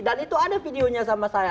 dan itu ada videonya sama saya